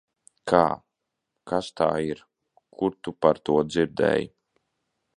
Kā? Kas tā ir? Kur tu par to dzirdēji?